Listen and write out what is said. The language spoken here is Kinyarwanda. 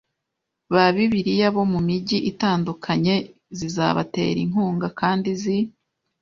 ba Bibiliya bo mu migi itandukanye zikabatera inkunga kandi zi